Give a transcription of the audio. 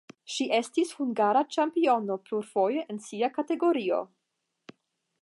Ŝi estis hungara ĉampiono plurfoje en sia kategorio.